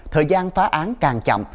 thời gian phá án càng chậm